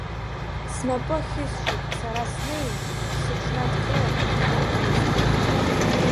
Снапы ахьысшьит, сара снеин, сыҽнадкыла, иҭабуп, аҩыза!